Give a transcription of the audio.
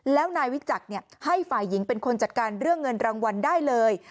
แล้วนายวิจักรให้ฝ่ายหญิงเป็นคนจัดการเรื่องเงินรางวัลได้เลย